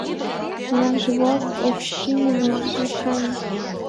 Тунемше-влак Овчининым вученыт.